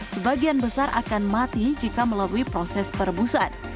sebagian besar akan mati jika melalui proses perebusan